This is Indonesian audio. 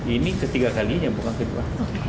ini ketiga kalinya bukan kedua